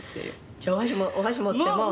「じゃあお箸持ってもう」